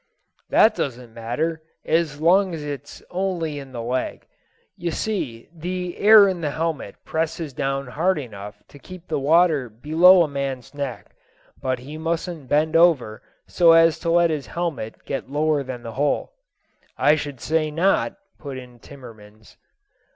"That doesn't matter, as long as it's only in the leg. You see, the air in the helmet presses down hard enough to keep the water below a man's neck. But he mustn't bend over so as to let his helmet get lower than the hole." "I should say not!" put in Timmans.